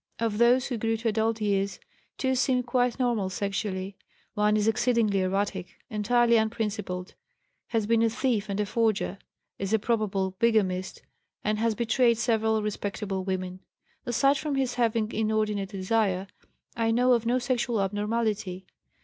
Of those who grew to adult years, 2 seem quite normal sexually; 1 is exceedingly erratic, entirely unprincipled, has been a thief and a forger, is a probable bigamist, and has betrayed several respectable women. Aside from his having inordinate desire, I know of no sexual abnormality.